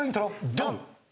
ドン！